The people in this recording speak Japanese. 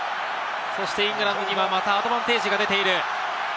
そしてイングランドにはまたアドバンテージが出ている。